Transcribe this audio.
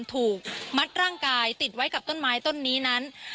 ถูกมัดร่างกายติดไว้กับต้นไม้ต้นนี้นั้น